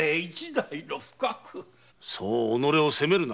そう己を責めるな。